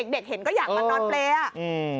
เด็กเห็นก็อยากมานอนเปร๊ะอ่ะ